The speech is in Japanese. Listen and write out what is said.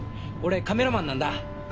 俺カメラマンなんだ。